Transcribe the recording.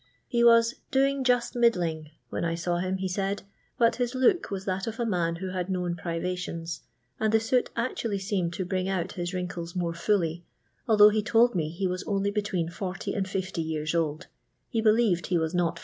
He was " doing just middling " when 1 saw him. he said, but his look was that of a man who had known privations, and the soot actually seemed to bring out his wrinkles more fully, although he told me he was only between 40 and 50 years old ; he be lieved he was not 46.